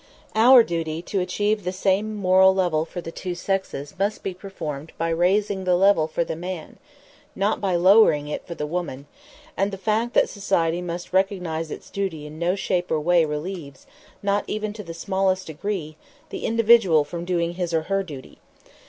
Our duty to achieve the same moral level for the two sexes must be performed by raising the level for the man, not by lowering it for the woman; and the fact that society must recognize its duty in no shape or way relieves, not even to the smallest degree, the individual from doing his or her duty.